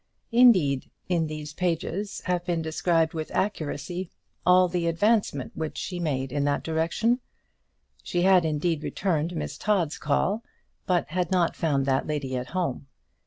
Indeed, in these pages have been described with accuracy all the advancement which she had made in that direction. She had indeed returned Miss Todd's call, but had not found that lady at home.